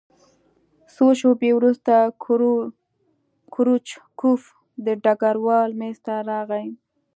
څو شېبې وروسته کروچکوف د ډګروال مېز ته راغی